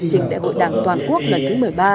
trình đại hội đảng toàn quốc lần thứ một mươi ba